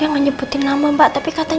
omongkannya findet bener terus makasihberry